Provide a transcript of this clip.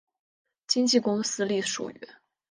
经纪公司隶属于。